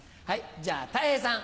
じゃあたい平さん。